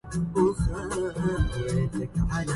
بقي فاضل في القاهرة و عمل هناك.